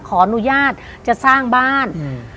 ขออนุญาตจะสร้างบ้านอืม